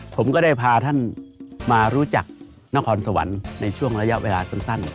ผมก็ได้พาท่านมารู้จักนครสวรรค์ในช่วงระยะเวลาสั้น